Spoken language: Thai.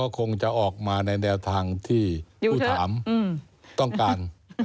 คงจะออกมาในแนวทางที่ผู้ถามต้องการ